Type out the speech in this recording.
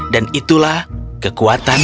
dan itulah kekuatan cinta